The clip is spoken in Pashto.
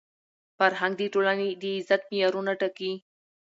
فرهنګ د ټولني د عزت معیارونه ټاکي.